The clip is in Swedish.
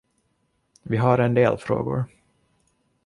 Vi har en del frågor.